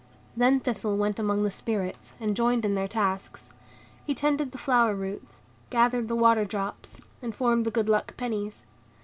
Then Thistle went among the Spirits, and joined in their tasks; he tended the flower roots, gathered the water drops, and formed the good luck pennies.